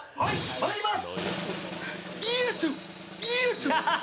まいります！